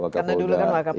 karena dulu kan lah k polda